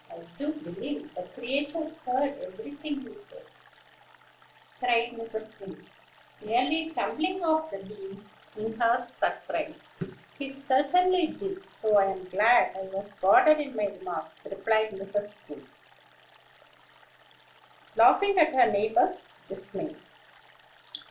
I do believe the creature heard every thing we said," cried Mrs. Wing, nearly tumbling off the beam, in her surprise. "He certainly did; so I'm glad I was guarded in my remarks," replied Mrs. Skim, laughing at her neighbor's dismay.